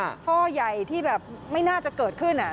พ่อใหญ่ที่แบบไม่น่าจะเกิดขึ้น